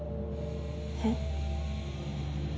えっ？